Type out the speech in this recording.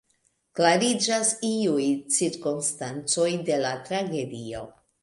Klariĝas iuj cirkonstancoj de la tragedio.